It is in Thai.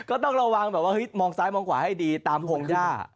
ก็ต้องระวังแบบว่ามองซ้ายมองขวาให้ดีตามพงหญ้า